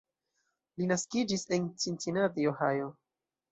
Li naskiĝis en Cincinnati, Ohio.